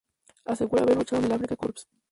Asegura haber luchado en el Afrika Korps.